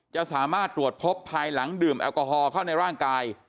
จะสามารถตรวจพบภายหลังดื่มแอลกอฮอลเข้าในร่างกาย